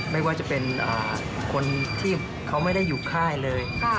ไม่ว่าจะเป็นคนที่เขาไม่ได้อยู่ค่ายเลย